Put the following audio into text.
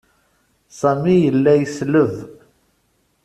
Sami yella yesleb.